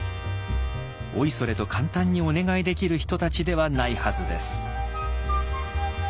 おいそれと簡単にお願いできる人たちではないはずです。